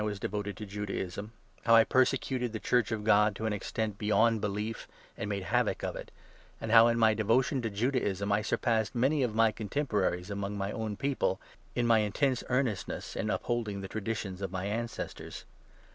was devoted to Judaism — how I persecuted the Church of God to an extent beyond belief, and made havoc of it, and how, in my devotion to Judaism, I surpassed many of my 14 contemporaries among my own people in my intense earnest ness in upholding the traditions of my ancestors.